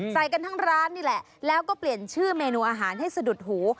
ใส่กันทั้งร้านนี่แหละแล้วก็เปลี่ยนชื่อเมนูอาหารให้สะดุดหู